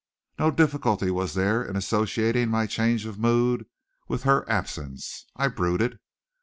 No difficulty was there in associating my change of mood with her absence. I brooded.